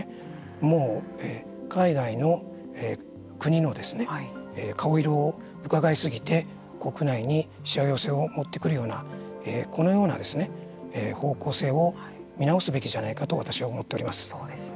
もう海外の国の顔色をうかがいすぎて国内にしわ寄せを持ってくるようなこのような方向性を見直すべきじゃないかとそうですね。